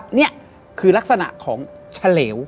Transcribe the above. นี่คือลักษณะของเฉลว